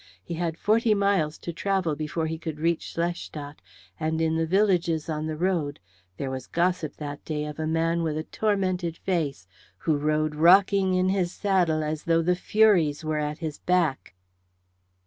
He had forty miles to travel before he could reach Schlestadt; and in the villages on the road there was gossip that day of a man with a tormented face who rode rocking in his saddle as though the furies were at his back.